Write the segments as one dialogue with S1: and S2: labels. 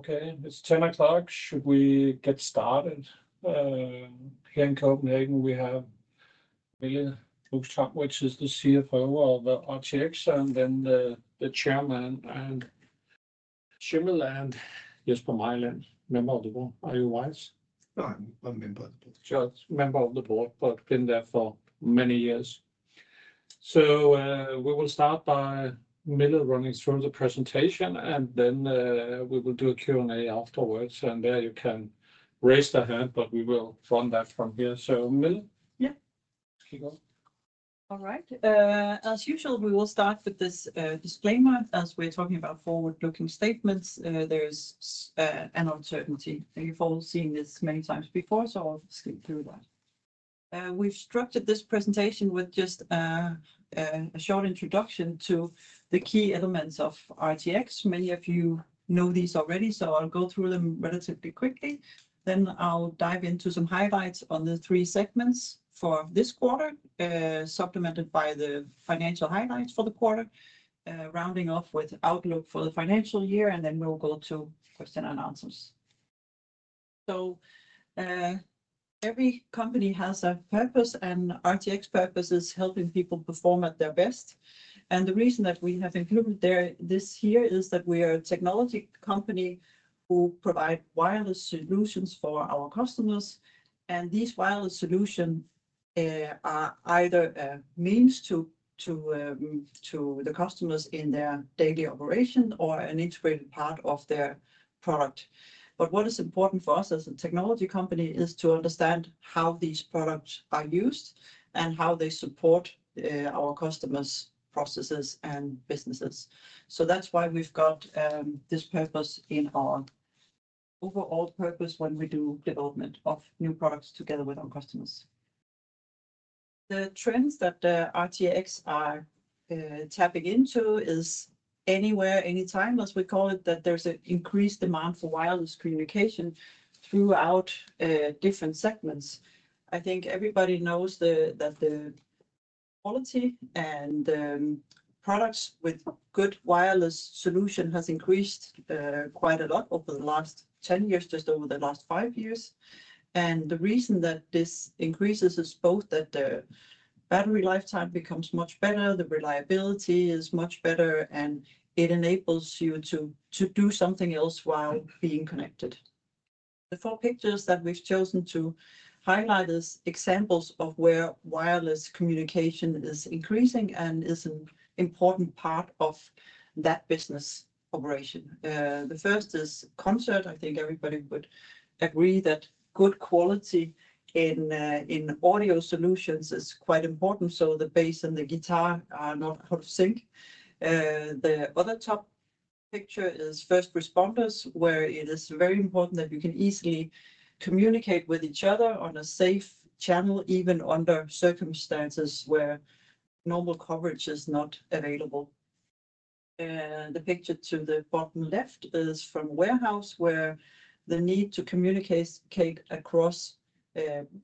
S1: Okay, it's 10:00 A.M. Should we get started? Here in Copenhagen we have Mille Tram Lux, which is the CFO of RTX, and then the chairman, and Jesper Mailind, Henrik Mørck Mogensen. Are you with us?
S2: No, I'm a member of the board.
S1: Just a member of the board, but been there for many years. So, we will start by Mille running through the presentation, and then, we will do a Q&A afterwards, and there you can raise the hand, but we will run that from here. So, Mille?
S3: Yeah.
S1: Keep going.
S3: All right. As usual, we will start with this disclaimer. As we're talking about forward-looking statements, there's an uncertainty. You've all seen this many times before, so I'll skip through that. We've structured this presentation with just a short introduction to the key elements of RTX. Many of you know these already, so I'll go through them relatively quickly. Then I'll dive into some highlights on the three segments for this quarter, supplemented by the financial highlights for the quarter, rounding off with outlook for the financial year, and then we'll go to question and answers. So, every company has a purpose, and RTX's purpose is helping people perform at their best. And the reason that we have included this here is that we are a technology company who provides wireless solutions for our customers. And these wireless solutions are either a means to the customers in their daily operation or an integrated part of their product. But what is important for us as a technology company is to understand how these products are used and how they support our customers' processes and businesses. So that's why we've got this purpose in our overall purpose when we do development of new products together with our customers. The trends that RTX are tapping into is anywhere, anytime, as we call it, that there's an increased demand for wireless communication throughout different segments. I think everybody knows that the quality and products with good wireless solutions have increased quite a lot over the last 10 years, just over the last five years. And the reason that this increases is both that the battery lifetime becomes much better, the reliability is much better, and it enables you to do something else while being connected. The four pictures that we've chosen to highlight are examples of where wireless communication is increasing and is an important part of that business operation. The first is concert. I think everybody would agree that good quality in audio solutions is quite important, so the bass and the guitar are not out of sync. The other top picture is first responders, where it is very important that you can easily communicate with each other on a safe channel, even under circumstances where normal coverage is not available. The picture to the bottom left is from a warehouse, where the need to communicate across,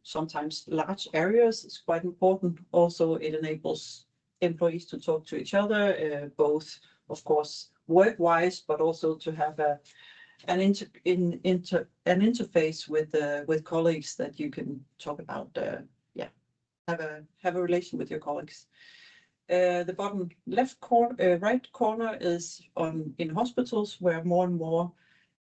S3: sometimes large areas is quite important. Also, it enables employees to talk to each other, both, of course, work-wise, but also to have an interface with colleagues that you can talk about, yeah, have a relation with your colleagues. The bottom left corner, right corner is on in hospitals, where more and more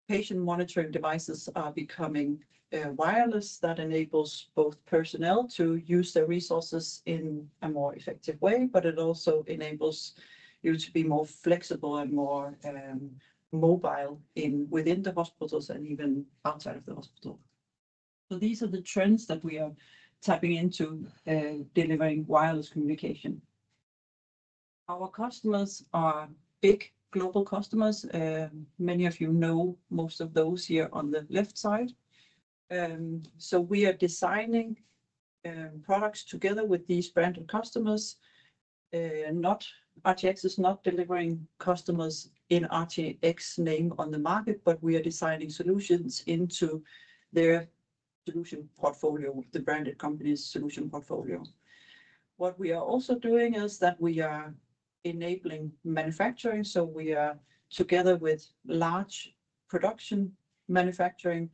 S3: patient monitoring devices are becoming wireless. That enables both personnel to use their resources in a more effective way, but it also enables you to be more flexible and more mobile within the hospitals and even outside of the hospital. These are the trends that we are tapping into, delivering wireless communication. Our customers are big global customers. Many of you know most of those here on the left side. We are designing products together with these branded customers. Not, RTX is not delivering customers in RTX name on the market, but we are designing solutions into their solution portfolio, the branded company's solution portfolio. What we are also doing is that we are enabling manufacturing. So we are together with large production manufacturing.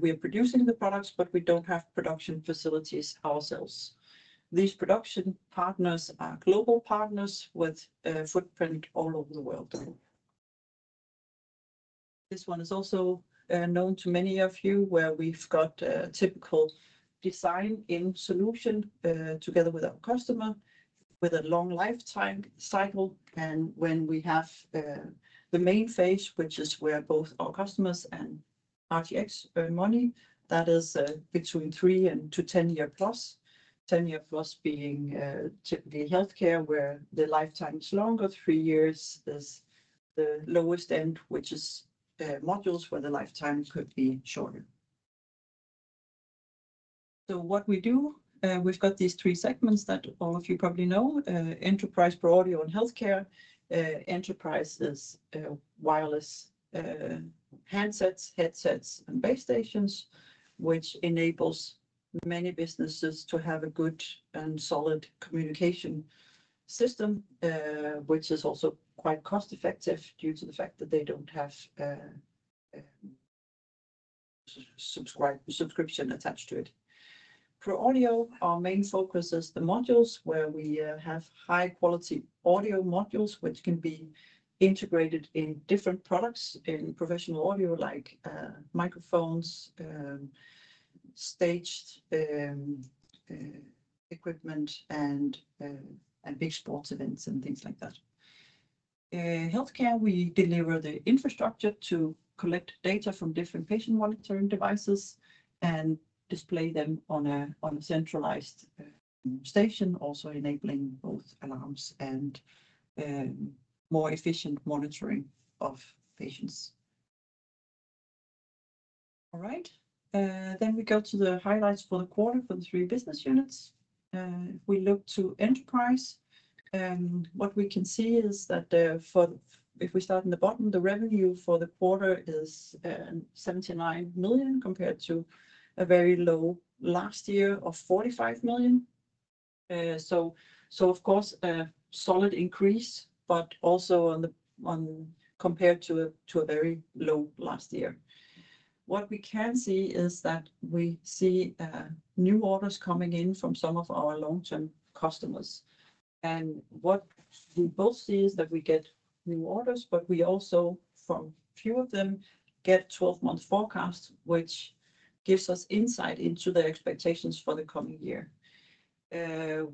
S3: We are producing the products, but we don't have production facilities ourselves. These production partners are global partners with footprint all over the world. This one is also known to many of you, where we've got a typical design-in solution, together with our customer, with a long lifetime cycle. And when we have the main phase, which is where both our customers and RTX earn money, that is between three to 10-year plus. 10-year plus being typically healthcare, where the lifetime is longer. Three years is the lowest end, which is modules where the lifetime could be shorter. So what we do, we've got these three segments that all of you probably know, Enterprise, ProAudio, and Healthcare. Enterprise is wireless handsets, headsets, and base stations, which enables many businesses to have a good and solid communication system, which is also quite cost-effective due to the fact that they don't have subscription attached to it. ProAudio, our main focus is the modules, where we have high-quality audio modules, which can be integrated in different products in professional audio, like microphones, stage equipment, and big sports events and things like that. Healthcare, we deliver the infrastructure to collect data from different patient monitoring devices and display them on a centralized station, also enabling both alarms and more efficient monitoring of patients. All right, then we go to the highlights for the quarter for the three business units. If we look to Enterprise, what we can see is that, for if we start in the bottom, the revenue for the quarter is 79 million compared to a very low last year of 45 million. So of course, a solid increase, but also compared to a very low last year. What we can see is that we see new orders coming in from some of our long-term customers. And what we both see is that we get new orders, but we also, from a few of them, get 12-month forecasts, which gives us insight into their expectations for the coming year.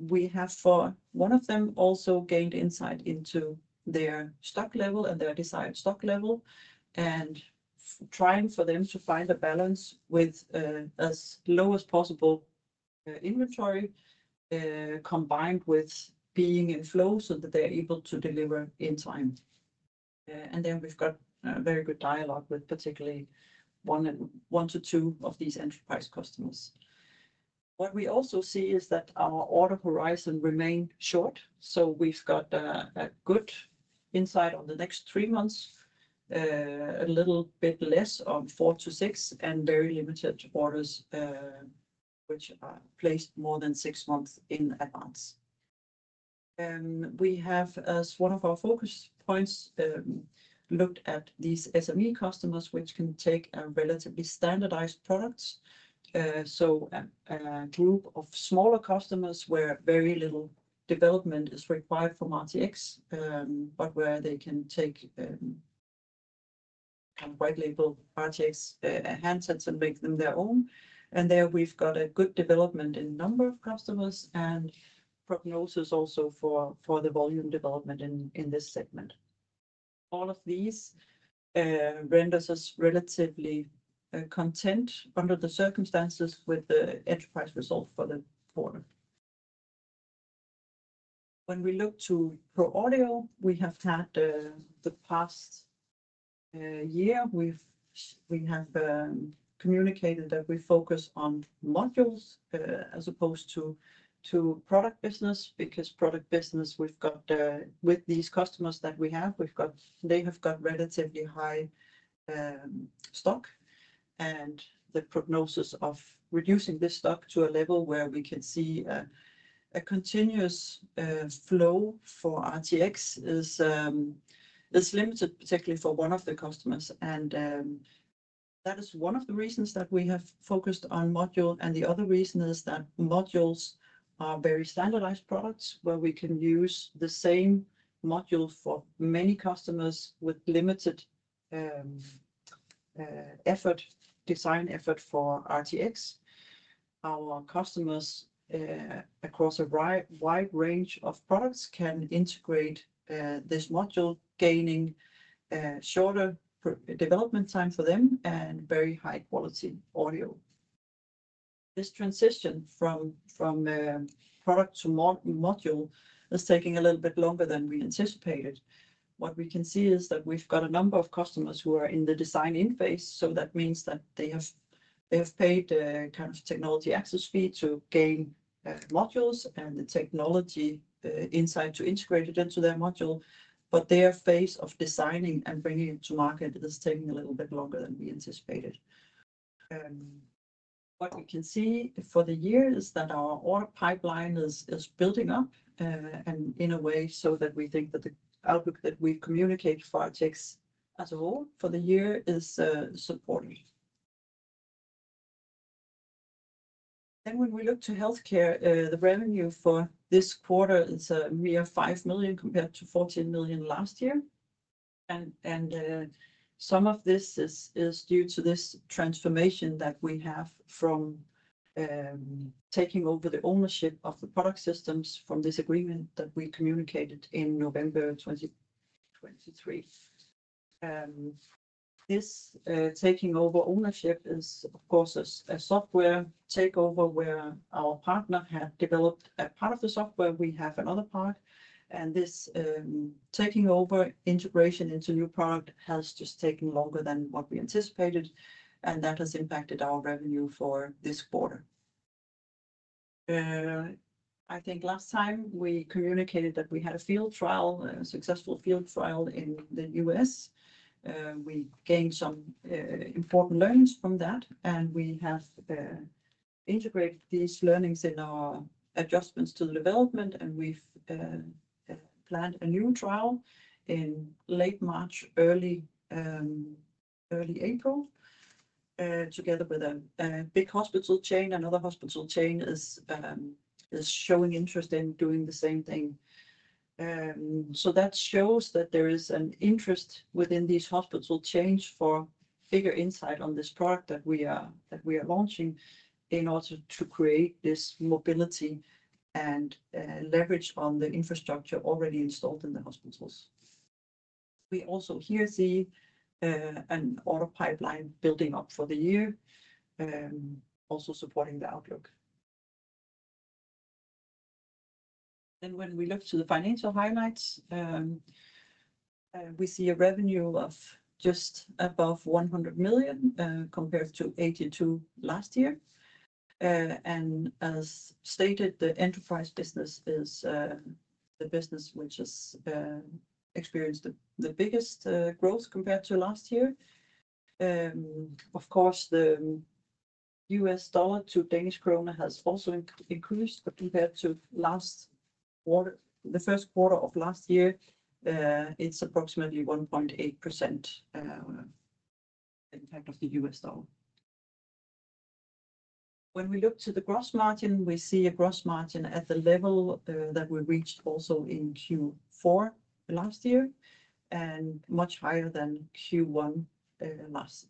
S3: We have, for one of them, also gained insight into their stock level and their desired stock level, and trying for them to find a balance with, as low as possible, inventory, combined with being in flow so that they're able to deliver in time. And then we've got a very good dialogue with particularly one, one to two of these Enterprise customers. What we also see is that our order horizon remained short. So we've got a, a good insight on the next three months, a little bit less on four to six and very limited orders, which are placed more than six months in advance. We have, as one of our focus points, looked at these SME customers, which can take a relatively standardized product. So a group of smaller customers where very little development is required from RTX, but where they can take and white label RTX handsets and make them their own. And there we've got a good development in number of customers and prognosis also for the volume development in this segment. All of these renders us relatively content under the circumstances with the Enterprise result for the quarter. When we look to ProAudio, we have had the past year we have communicated that we focus on modules as opposed to product business, because product business we've got with these customers that we have they've got relatively high stock, and the prognosis of reducing this stock to a level where we can see a continuous flow for RTX is limited, particularly for one of the customers. That is one of the reasons that we have focused on module. The other reason is that modules are very standardized products where we can use the same module for many customers with limited effort, design effort for RTX. Our customers, across a wide range of products, can integrate this module, gaining shorter development time for them and very high-quality audio. This transition from product to module is taking a little bit longer than we anticipated. What we can see is that we've got a number of customers who are in the design-in phase. That means that they have paid the kind of technology access fee to gain modules and the technology insight to integrate it into their module. Their phase of designing and bringing it to market is taking a little bit longer than we anticipated. What we can see for the year is that our order pipeline is building up, and in a way so that we think that the outlook that we communicate for RTX as a whole for the year is supportive. Then when we look to healthcare, the revenue for this quarter is a mere 5 million compared to 14 million last year. And some of this is due to this transformation that we have from taking over the ownership of the product systems from this agreement that we communicated in November 2023. This taking over ownership is, of course, a software takeover where our partner had developed a part of the software. We have another part. And this taking over integration into new product has just taken longer than what we anticipated, and that has impacted our revenue for this quarter. I think last time we communicated that we had a field trial, a successful field trial in the U.S. We gained some important learnings from that, and we have integrated these learnings in our adjustments to the development, and we've planned a new trial in late March, early, early April, together with a big hospital chain. Another hospital chain is showing interest in doing the same thing. So that shows that there is an interest within these hospital chains for bigger insight on this product that we are launching in order to create this mobility and leverage on the infrastructure already installed in the hospitals. We also here see an order pipeline building up for the year, also supporting the outlook. Then when we look to the financial highlights, we see a revenue of just above 100 million, compared to 82 million last year. And as stated, the Enterprise business is the business which has experienced the biggest growth compared to last year. Of course, the US dollar to Danish kroner has also increased, but compared to last quarter, the first quarter of last year, it's approximately 1.8% impact of the US dollar. When we look to the gross margin, we see a gross margin at the level that we reached also in Q4 last year and much higher than Q1 last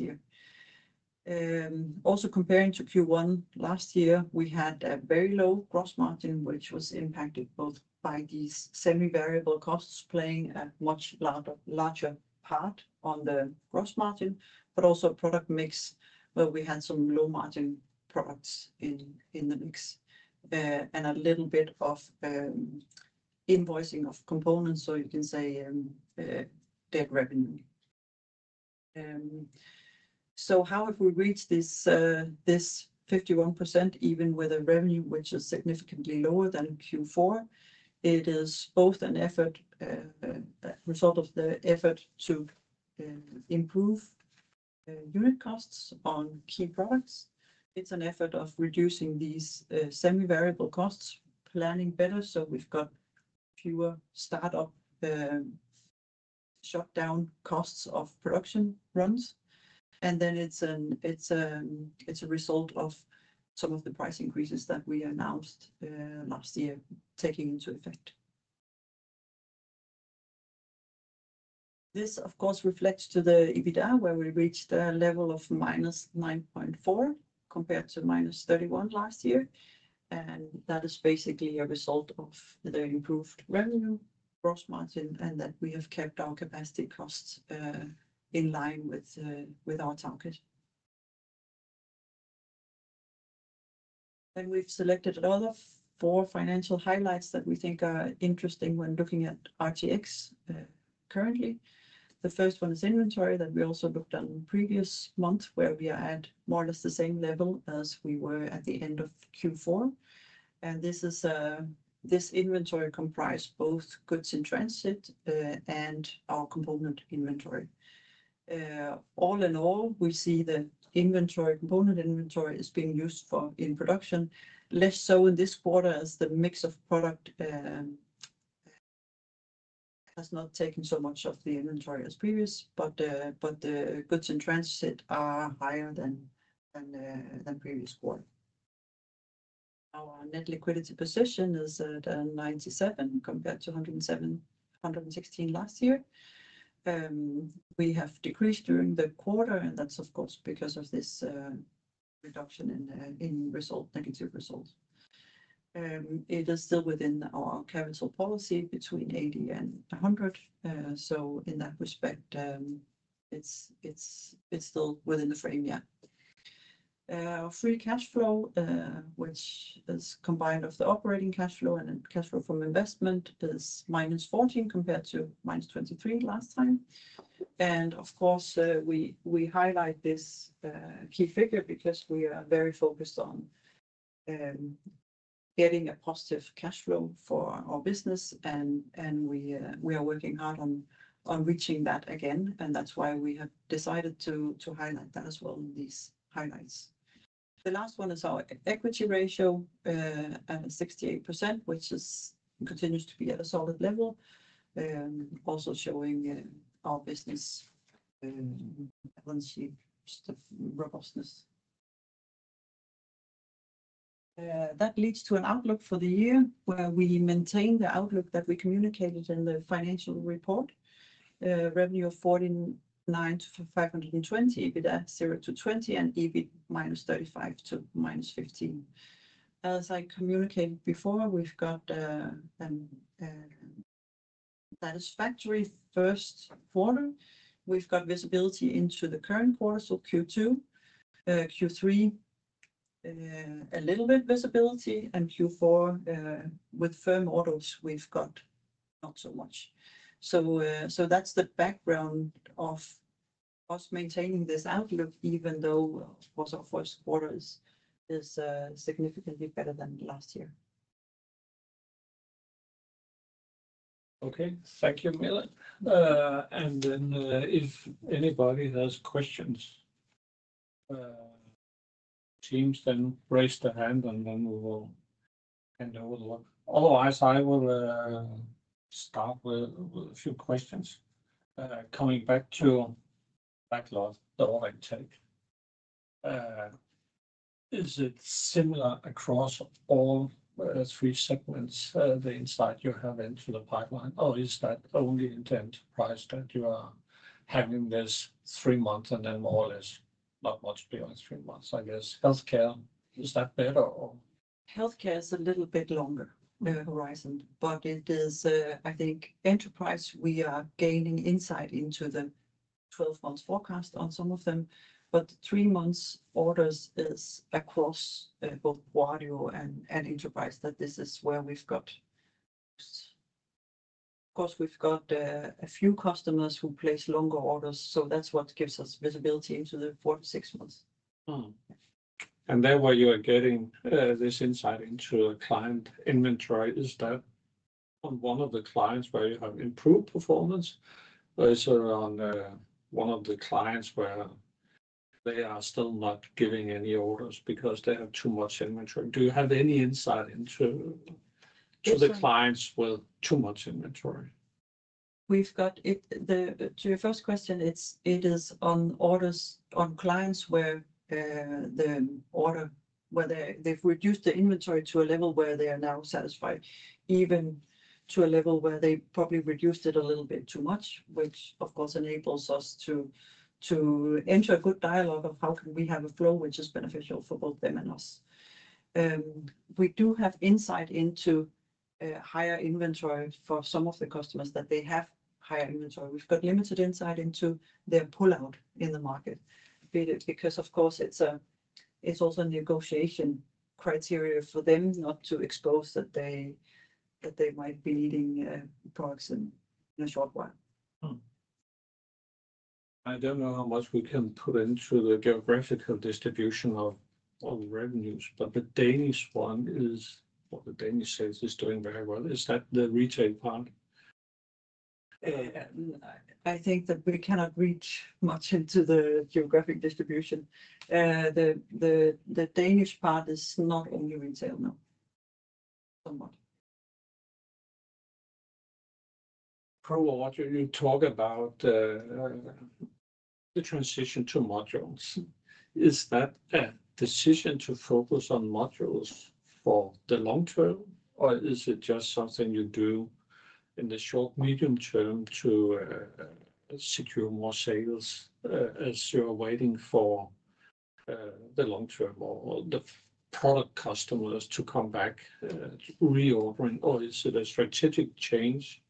S3: year. Also comparing to Q1 last year, we had a very low gross margin, which was impacted both by these semi-variable costs playing a much larger part on the gross margin, but also product mix where we had some low margin products in the mix, and a little bit of invoicing of components. So you can say net revenue. So how have we reached this 51% even with a revenue which is significantly lower than Q4? It is both an effort, a result of the effort to improve unit costs on key products. It's an effort of reducing these semi-variable costs, planning better. So we've got fewer startup, shutdown costs of production runs. And then it's a result of some of the price increases that we announced last year taking into effect. This, of course, reflects to the EBITDA where we reached a level of minus 9.4 compared to minus 31 last year. And that is basically a result of the improved revenue, gross margin, and that we have kept our capacity costs in line with our target. Then we've selected another four financial highlights that we think are interesting when looking at RTX currently. The first one is inventory that we also looked on previous month where we are at more or less the same level as we were at the end of Q4. This inventory comprised both goods in transit and our component inventory. All in all, we see the inventory, component inventory is being used for in production. Less so in this quarter as the mix of product has not taken so much of the inventory as previous, but the goods in transit are higher than previous quarter. Our net liquidity position is 97 compared to 107, 116 last year. We have decreased during the quarter, and that's of course because of this reduction in result, negative result. It is still within our capital policy between 80 and 100, so in that respect, it's still within the frame, yeah. Our free cash flow, which is combined of the operating cash flow and cash flow from investment, is -14 compared to -23 last time. And of course, we highlight this key figure because we are very focused on getting a positive cash flow for our business. And we are working hard on reaching that again. And that's why we have decided to highlight that as well in these highlights. The last one is our equity ratio at 68%, which continues to be at a solid level, also showing our business balance sheet just the robustness. That leads to an outlook for the year where we maintain the outlook that we communicated in the financial report, revenue of 49-520, EBITDA 0-20, and EBIT -35 to -15. As I communicated before, we've got satisfactory first quarter. We've got visibility into the current quarter, so Q2, Q3, a little bit visibility, and Q4, with firm orders, we've got not so much. So that's the background of us maintaining this outlook, even though, of course, our first quarter is significantly better than last year.
S1: Okay, thank you, Mille. And then, if anybody has questions, Teams, then raise the hand and then we will hand over the work. Otherwise, I will start with a few questions, coming back to backlog, the order intake. Is it similar across all three segments, the insight you have into the pipeline? Or is that only into Enterprise that you are having this three months and then more or less not much beyond three months? I guess Healthcare, is that better or?
S3: Healthcare is a little bit longer horizon, but it is, I think, Enterprise, we are gaining insight into the 12-month forecast on some of them. But three months orders is across both Audio and Enterprise. That this is where we've got. Of course, we've got a few customers who place longer orders. So that's what gives us visibility into the four to six months.
S1: And then where you are getting this insight into a client inventory, is that on one of the clients where you have improved performance? Or is it on one of the clients where they are still not giving any orders because they have too much inventory? Do you have any insight into the clients with too much inventory? We've got it.
S3: To your first question, it is on orders on clients where the order whether they've reduced the inventory to a level where they are now satisfied, even to a level where they probably reduced it a little bit too much, which of course enables us to enter a good dialogue of how can we have a flow which is beneficial for both them and us. We do have insight into higher inventory for some of the customers that have higher inventory. We've got limited insight into their pullout in the market, because of course it's also a negotiation criteria for them not to expose that they might be needing products in a short while.
S1: I don't know how much we can put into the geographical distribution of all the revenues, but the Danish one is, or the Danish sales is doing very well. Is that the retail part?
S3: I think that we cannot reach much into the geographic distribution. The Danish part is not only retail now, somewhat.
S1: Proud of what you talk about, the transition to modules. Is that a decision to focus on modules for the long term, or is it just something you do in the short, medium term to secure more sales, as you're waiting for the long term or the product customers to come back, reordering? Or is it a strategic change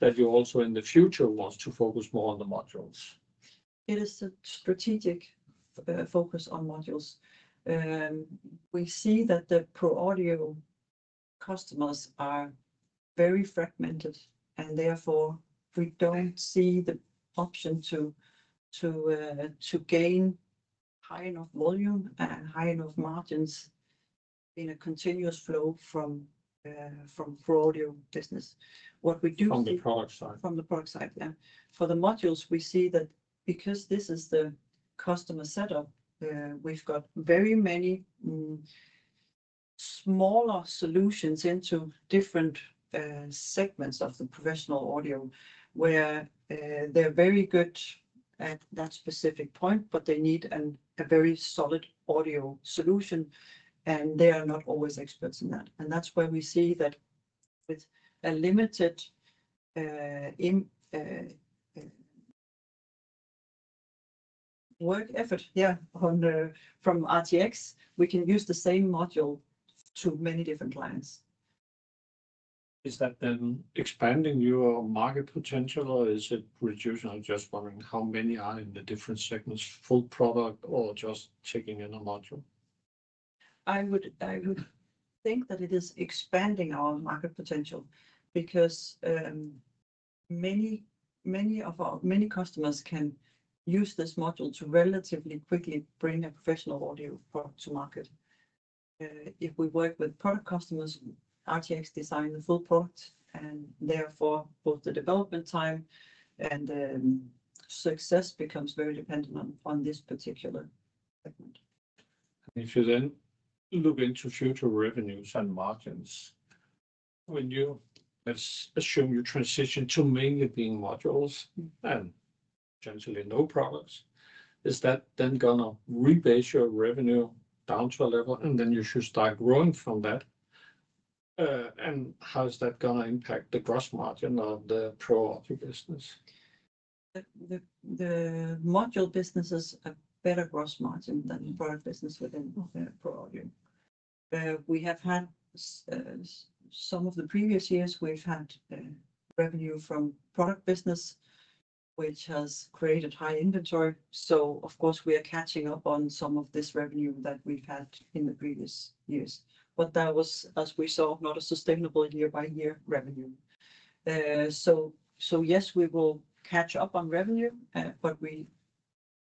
S1: that you also in the future want to focus more on the modules?
S3: It is a strategic focus on modules. We see that the ProAudio customers are very fragmented, and therefore we don't see the option to gain high enough volume and high enough margins in a continuous flow from ProAudio business. What we do see from the product side, yeah. For the modules, we see that because this is the customer setup, we've got very many smaller solutions into different segments of the professional audio where they're very good at that specific point, but they need a very solid audio solution, and they are not always experts in that. That's where we see that with a limited in work effort, yeah, on from RTX, we can use the same module to many different clients.
S1: Is that then expanding your market potential, or is it reducing? I'm just wondering how many are in the different segments, full product or just checking in a module.
S3: I would think that it is expanding our market potential because many of our customers can use this module to relatively quickly bring a professional audio product to market. If we work with product customers, RTX design the full product, and therefore both the development time and success becomes very dependent on this particular segment. If you then look into future revenues and margins, when you assume your transition to mainly being modules and potentially no products, is that then gonna rebase your revenue down to a level and then you should start growing from that? And how is that gonna impact the gross margin of the ProAudio business? The module business is a better gross margin than the product business within ProAudio. We have had, some of the previous years, we've had revenue from product business, which has created high inventory. So of course we are catching up on some of this revenue that we've had in the previous years, but that was, as we saw, not a sustainable year by year revenue. So, so yes, we will catch up on revenue, but we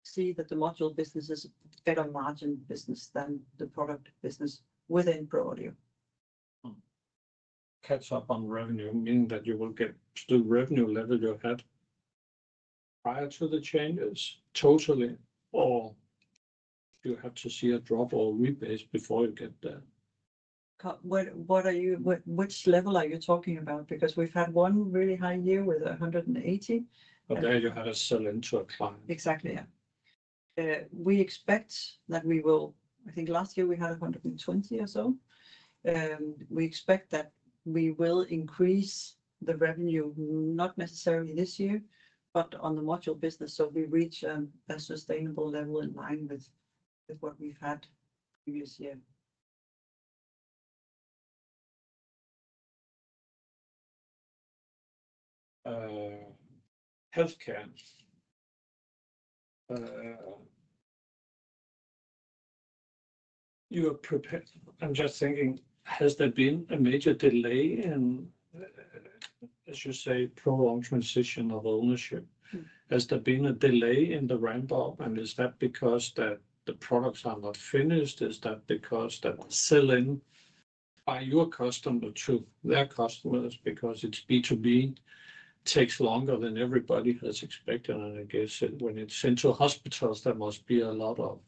S3: see that the module business is a better margin business than the product business within ProAudio.
S1: Catch up on revenue, meaning that you will get to the revenue level you had prior to the changes totally, or do you have to see a drop or rebase before you get there?
S3: What, what are you, what, which level are you talking about? Because we've had one really high year with 180.
S1: But there you had a sell into a client.
S3: Exactly, yeah. We expect that we will. I think last year we had 120 or so. We expect that we will increase the revenue, not necessarily this year, but on the module business. So if we reach a sustainable level in line with what we've had previous year.
S1: Healthcare, you are prepared. I'm just thinking, has there been a major delay in, as you say, prolonged transition of ownership? Has there been a delay in the ramp up? And is that because that the products are not finished? Is that because that sell in by your customer to their customers because it's B2B, takes longer than everybody has expected? And I guess when it's into hospitals, there must be a lot of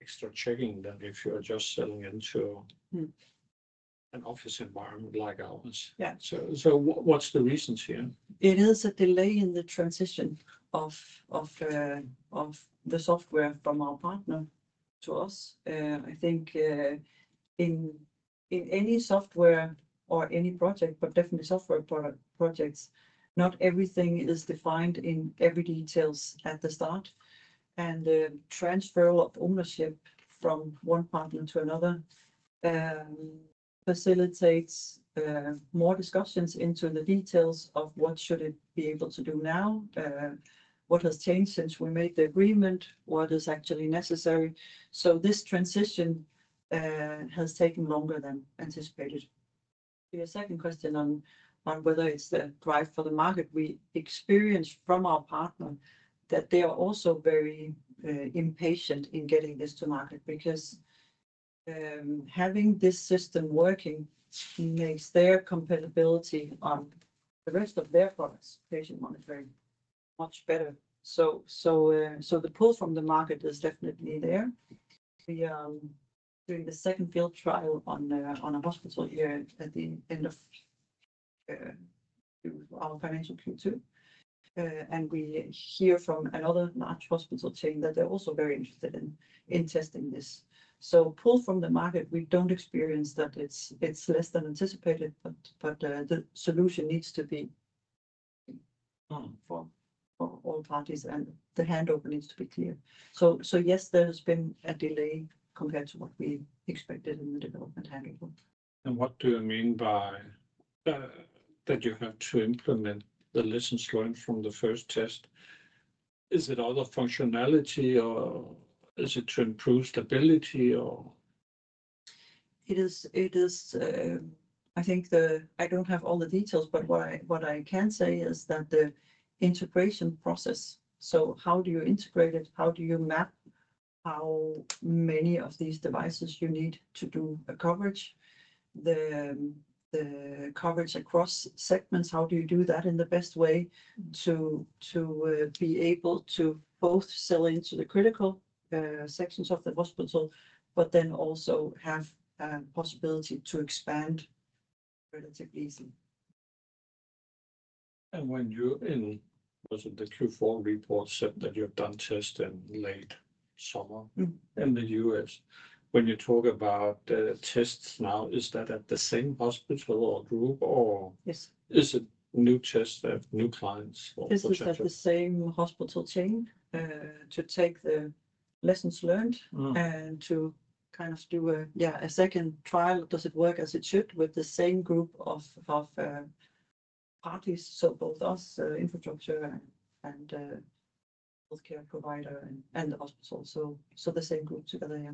S1: extra checking than if you're just selling into an office environment like ours. Yeah. So what's the reasons here?
S3: It is a delay in the transition of the software from our partner to us. I think in any software or any project, but definitely software projects, not everything is defined in every details at the start, and the transfer of ownership from one partner to another facilitates more discussions into the details of what should it be able to do now, what has changed since we made the agreement, what is actually necessary, so this transition has taken longer than anticipated. Your second question on whether it's the drive for the market we experience from our partner, that they are also very impatient in getting this to market because having this system working makes their compatibility on the rest of their products, patient monitoring, much better. So the pull from the market is definitely there. We during the second field trial on a hospital here at the end of our financial Q2, and we hear from another large hospital team that they're also very interested in testing this. So pull from the market, we don't experience that it's less than anticipated, but the solution needs to be for all parties and the handover needs to be clear. So yes, there has been a delay compared to what we expected in the development handover.
S1: And what do you mean by that you have to implement the lessons learned from the first test? Is it all the functionality or is it to improve stability or?
S3: It is. I think I don't have all the details, but what I can say is that the integration process, so how do you integrate it? How do you map how many of these devices you need to do the coverage across segments? How do you do that in the best way to be able to both sell into the critical sections of the hospital, but then also have a possibility to expand relatively easily,
S1: and was it the Q4 report said that you've done tests in late summer in the U.S.? When you talk about the tests now, is that at the same hospital or group? Yes. Is it new tests at new clients or?
S3: This is at the same hospital chain, to take the lessons learned and to kind of do a second trial. Does it work as it should with the same group of parties? So both our infrastructure and healthcare provider and the hospital. So the same group together, yeah.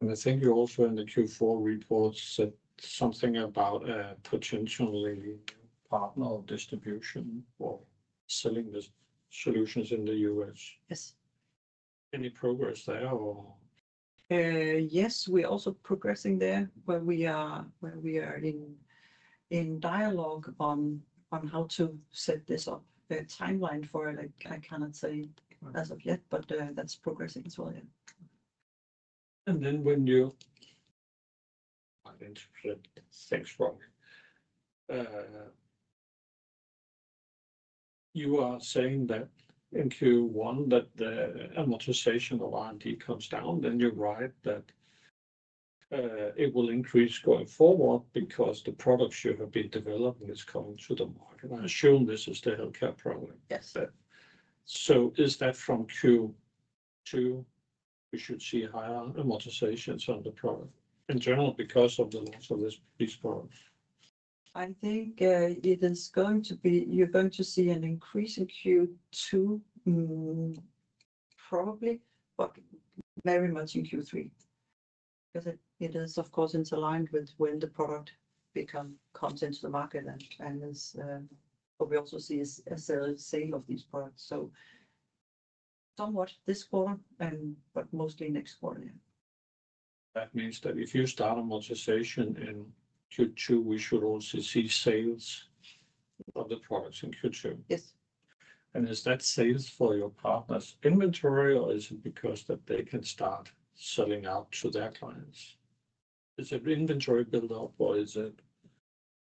S1: And I think you also in the Q4 report said something about a potentially partner or distribution or selling the solutions in the U.S. Yes. Any progress there, or?
S3: Yes, we're also progressing there where we are in dialogue on how to set this up, the timeline for it. I cannot say as of yet, but that's progressing as well, yeah.
S1: And then when you identify the six products, you are saying that in Q1 that the amortization of R&D comes down, then you're right that it will increase going forward because the products you have been developing is coming to the market. I assume this is the healthcare program. Yes. So is that from Q2 we should see higher amortizations on the product in general because of the loss of this product?
S3: I think it is going to be. You're going to see an increase in Q2, probably, but very much in Q3 because it is, of course, it's aligned with when the product comes into the market and is. What we also see is a sale of these products. So somewhat this quarter, but mostly next quarter, yeah.
S1: That means that if you start amortization in Q2, we should also see sales of the products in Q2. Yes. And is that sales for your partner's inventory or is it because they can start selling out to their clients? Is it inventory buildup or is it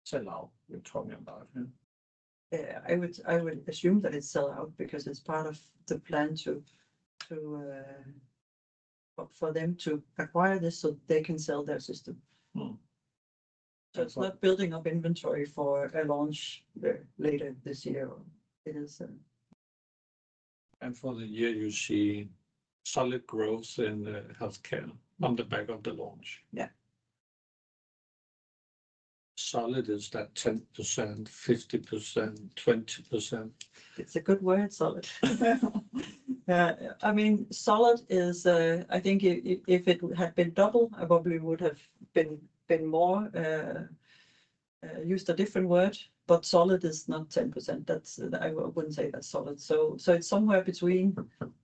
S1: sell out you're talking about here?
S3: I would assume that it's sell out because it's part of the plan to for them to acquire this so they can sell their system. So it's not building up inventory for a launch later this year. It is,
S1: and for the year, you see solid growth in the healthcare on the back of the launch. Yeah. Solid is that 10%, 50%, 20%?
S3: It's a good word, solid. Yeah. I mean, solid is. I think if, if it had been double, I probably would have been, been more, used a different word, but solid is not 10%. That's. I wouldn't say that's solid. So, so it's somewhere between,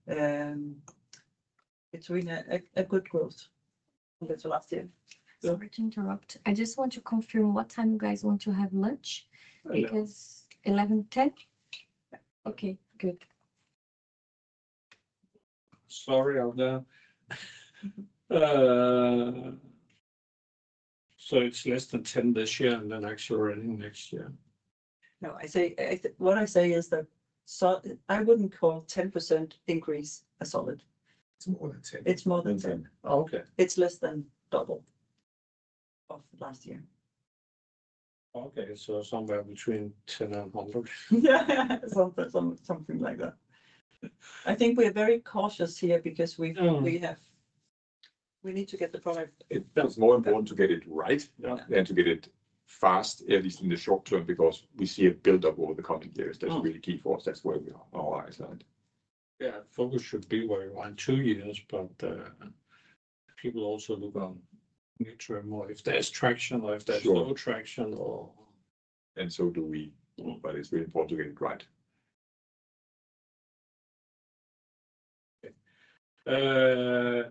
S3: between a, a good growth. That's the last year. Sorry to interrupt. I just want to confirm what time you guys want to have lunch? Because 11:10 A.M. Okay, good.
S1: Sorry on the, so it's less than 10% this year and then actually running next year.
S3: No, I say, I think what I say is the solid. I wouldn't call 10% increase a solid. It's more than 10%. It's more than 10. Okay. It's less than double of last year.
S1: Okay, so somewhere between 10 and 100.
S3: Yeah, something, something like that. I think we're very cautious here because we've, we have, we need to get the product.
S4: It feels more important to get it right and to get it fast, at least in the short term, because we see a buildup over the coming years. That's really key for us. That's where we are.
S1: Yeah, focus should be where you want two years, but, people also look on neutral more if there's traction or if there's no traction or, and so do we, but it's really important to get it right. Okay.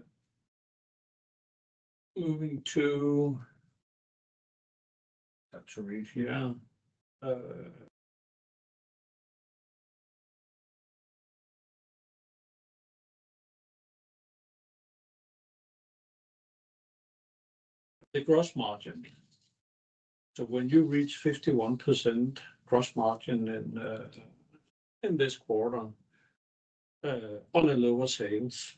S1: Moving to, have to read here, the gross margin. So when you reach 51% gross margin in this quarter, on lower sales,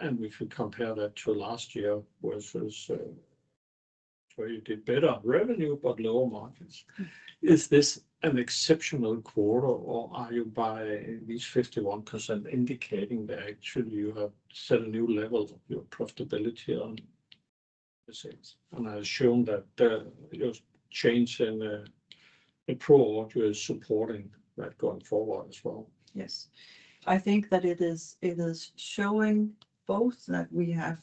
S1: and we can compare that to last year versus where you did better revenue, but lower margins. Is this an exceptional quarter or are you by these 51% indicating that actually you have set a new level of your profitability on the sales? And I assume that your change in the product what you're supporting that going forward as well.
S3: Yes. I think that it is showing both that we have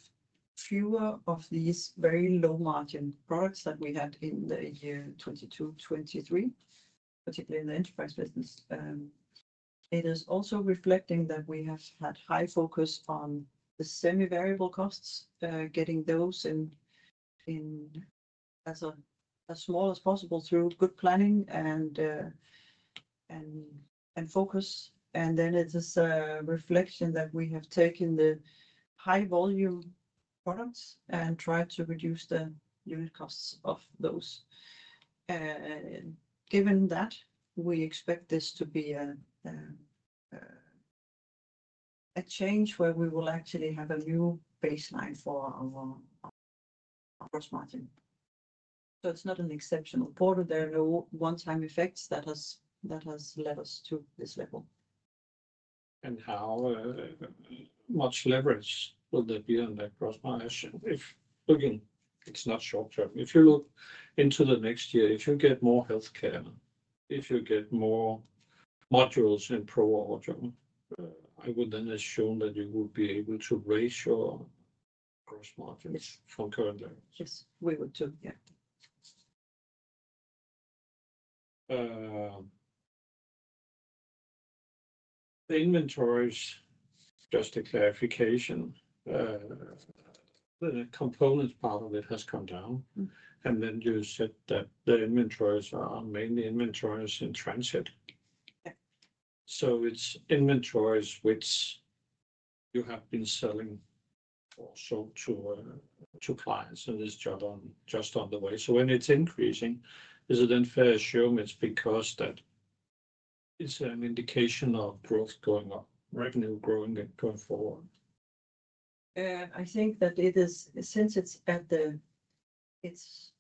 S3: fewer of these very low margin products that we had in the year 2022, 2023, particularly in the Enterprise business. It is also reflecting that we have had high focus on the semi-variable costs, getting those in as small as possible through good planning and focus. And then it is a reflection that we have taken the high volume products and tried to reduce the unit costs of those. Given that, we expect this to be a change where we will actually have a new baseline for our gross margin. So it's not an exceptional quarter. There are no one-time effects that has led us to this level.
S1: And how much leverage will there be on that gross margin if, again, it's not short term? If you look into the next year, if you get more healthcare, if you get more modules in ProAudio, I would then assume that you would be able to raise your gross margins from current levels.
S3: Yes, we would do, yeah.
S1: The inventories, just a clarification, the component part of it has come down. And then you said that the inventories are mainly inventories in transit.
S3: Yeah.
S1: So it's inventories which you have been selling also to clients and this job on just on the way. So when it's increasing, is it unfair assume it's because that it's an indication of growth going up, revenue growing and going forward?
S3: I think that it is, since it's at the, it's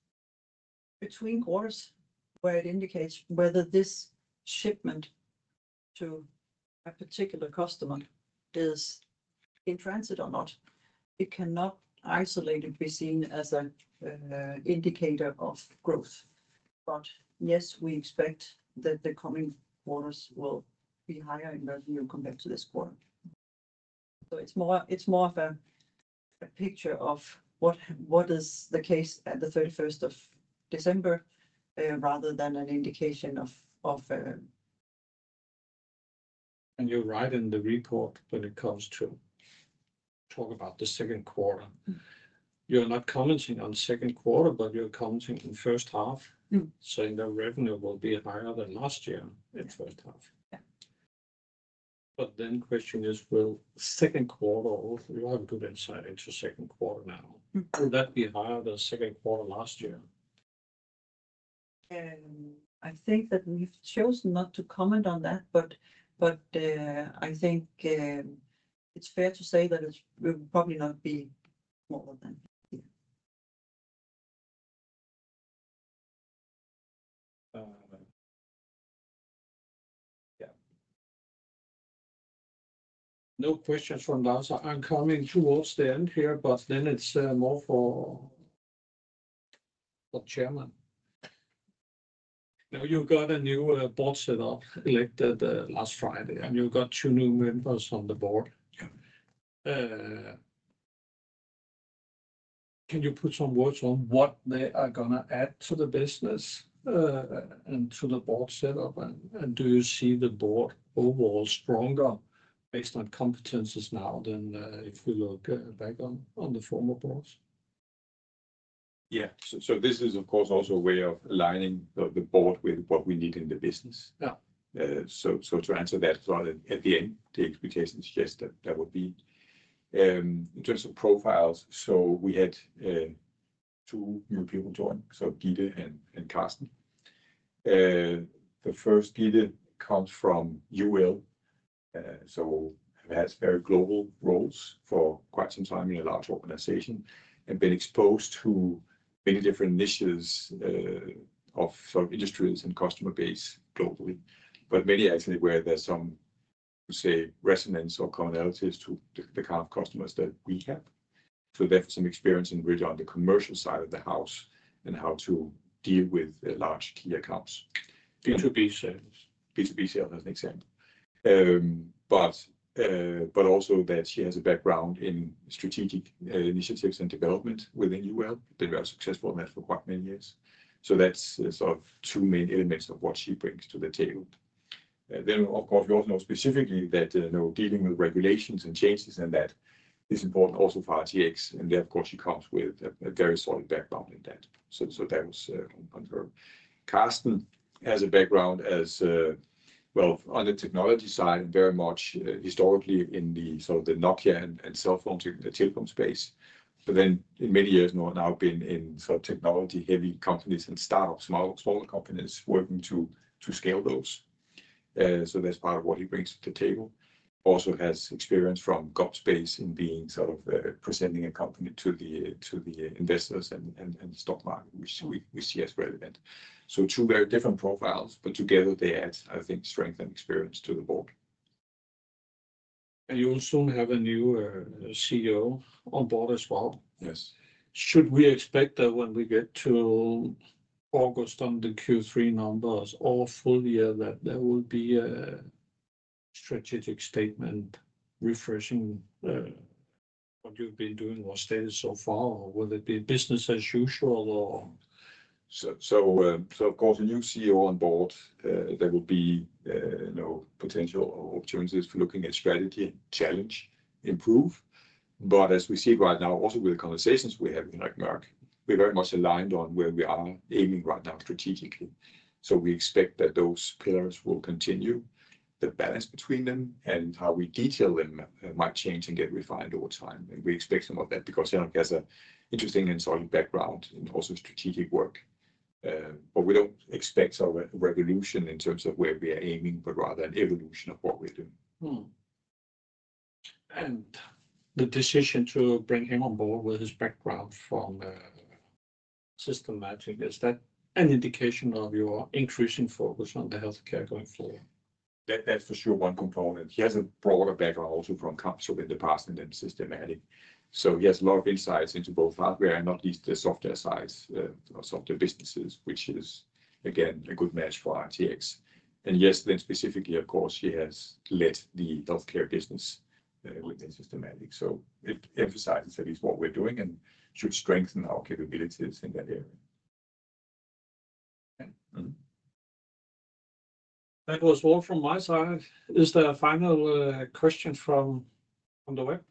S3: between quarters where it indicates whether this shipment to a particular customer is in transit or not. It cannot isolated be seen as a indicator of growth. But yes, we expect that the coming quarters will be higher in revenue compared to this quarter. So it's more of a picture of what is the case at the 31st of December, rather than an indication of,
S1: and you're right in the report when it comes to talk about the second quarter. You're not commenting on second quarter, but you're commenting on first half. So the revenue will be higher than last year in first half. Yeah. But then the question is, will second quarter, you have a good insight into second quarter now. Will that be higher than second quarter last year?
S3: I think that we've chosen not to comment on that, but I think it's fair to say that it will probably not be more than here.
S1: Yeah. No questions from Lazar. I'm coming towards the end here, but then it's more for chairman. Now you've got a new board set up elected last Friday and you've got two new members on the board. Yeah. Can you put some words on what they are going to add to the business, and to the board set up? Do you see the board overall stronger based on competencies now than if you look back on the former boards?
S2: Yeah. So this is of course also a way of aligning the board with what we need in the business. Yeah. So to answer that as well at the end, the expectation is just that that would be in terms of profiles. So we had two new people join, so Gitte and Karsten. The first, Gitte, comes from UL, so has very global roles for quite some time in a large organization and been exposed to many different initiatives of sort of industries and customer base globally. But many actually where there's some say resonance or commonalities to the kind of customers that we have. So they have some experience in really on the commercial side of the house and how to deal with large key accounts. B2B sales. B2B sales as an example. But also that she has a background in strategic initiatives and development within UL. They were successful in that for quite many years. So that's sort of two main elements of what she brings to the table, then of course we also know specifically that, you know, dealing with regulations and changes and that is important also for RTX, and then of course she comes with a very solid background in that. So that was on her. Karsten has a background as well on the technology side and very much historically in the sort of the Nokia and cell phone telecom space. But then in many years now, now been in sort of technology heavy companies and startups, small, smaller companies working to, to scale those. So that's part of what he brings to the table. Also has experience from GomSpace in being sort of, presenting a company to the, to the investors and, and, and stock market, which we, we see as relevant. So two very different profiles, but together they add, I think, strength and experience to the board.
S1: And you also have a new CEO on board as well.
S2: Yes.
S1: Should we expect that when we get to August on the Q3 numbers or full year that there will be a strategic statement refreshing, what you've been doing or status so far? Or will it be business as usual or?
S2: So of course a new CEO on board, there will be, you know, potential opportunities for looking at strategy and challenge improve. But as we see right now, also with the conversations we have with like Mørck, we're very much aligned on where we are aiming right now strategically. So we expect that those pillars will continue. The balance between them and how we detail them might change and get refined over time. And we expect some of that because Henrik has an interesting and solid background in also strategic work. But we don't expect sort of a revolution in terms of where we are aiming, but rather an evolution of what we're doing.
S1: And the decision to bring him on board with his background from Systematic, is that an indication of your increasing focus on the healthcare going forward?
S2: That's for sure one component. He has a broader background also from Kamstrup in the past and then Systematic, so he has a lot of insights into both hardware and not least the software sides of software businesses, which is again a good match for RTX, and yes, then specifically, of course, she has led the healthcare business within Systematic, so it emphasizes at least what we're doing and should strengthen our capabilities in that area. Okay. Mm-hmm.
S1: That was all from my side. Is there a final question from the web?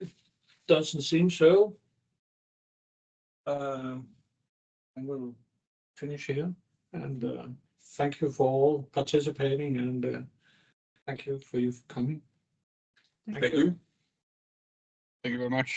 S1: It doesn't seem so. I will finish here, and thank you for all participating, and thank you for coming. Thank you. Thank you very much.